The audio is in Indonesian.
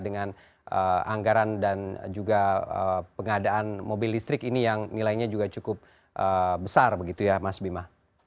dengan anggaran dan juga pengadaan mobil listrik ini yang nilainya juga cukup besar begitu ya mas bima